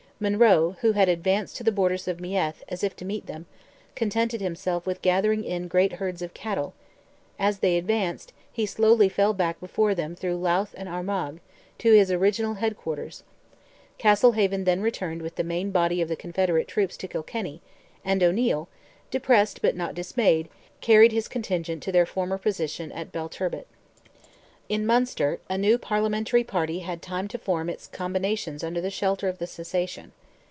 Monroe, who had advanced to the borders of Meath as if to meet them, contented himself with gathering in great herds of cattle; as they advanced, he slowly fell back before them through Louth and Armagh, to his original head quarters; Castlehaven then returned with the main body of the Confederate troops to Kilkenny, and O'Neil, depressed, but not dismayed, carried his contingent to their former position at Belturbet. In Munster, a new Parliamentary party had time to form its combinations under the shelter of the cessation.